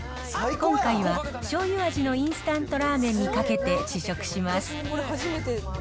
今回は、しょうゆ味のインスタントラーメンにかけて試食します。